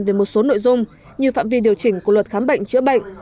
về một số nội dung như phạm vi điều chỉnh của luật khám bệnh chữa bệnh